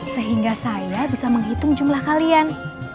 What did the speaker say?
sehingga saya bisa menghitung jumlah kalian